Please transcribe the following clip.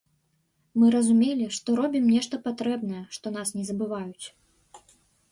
Мы разумелі, што робім нешта патрэбнае, што нас не забываюць.